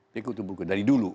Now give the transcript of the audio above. dia kutub buku dari dulu